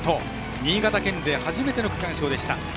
新潟県勢初の区間賞でした。